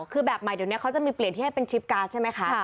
คือแบบใหม่เดี๋ยวนี้เขาจะมีเปลี่ยนที่ให้เป็นชิปการ์ดใช่ไหมคะ